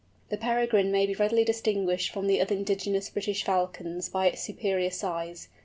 The Peregrine may be readily distinguished from the other indigenous British Falcons by its superior size.